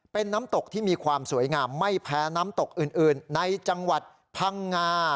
เป็นน้ำตกที่มีความสวยงามไม่แพ้น้ำตกอื่นในจังหวัดพังงา